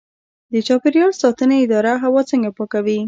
د چاپیریال ساتنې اداره هوا څنګه پاکوي؟